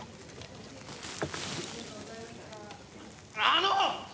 あの！